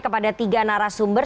kepada tiga narasumber